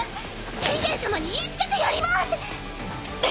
天元さまに言い付けてやります！